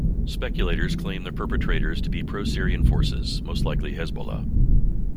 Speculators claim the perpetrators to be pro-Syrian forces, most likely Hezbollah.